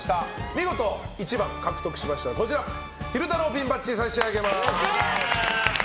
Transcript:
見事１番を獲得されましたら昼太郎ピンバッジを差し上げます。